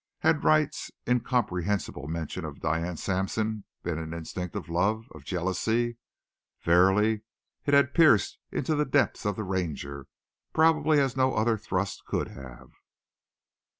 Had Wright's incomprehensible mention of Diane Sampson been an instinct of love of jealousy? Verily, it had pierced into the depths of the Ranger, probably as no other thrust could have.